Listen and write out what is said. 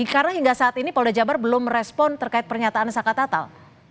karena hingga saat ini polda jabar belum respon terkait pernyataan saka tatal